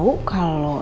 terima kasih banyak pak